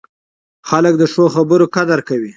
خلک د ښو خبرو قدر کوي